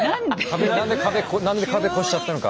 壁何で壁何で壁越しちゃったのか。